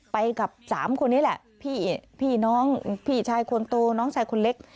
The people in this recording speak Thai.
ไปกับ๓คนนี้แหละพี่น้องพี่ชายคนโตน้องชายคนเล็ก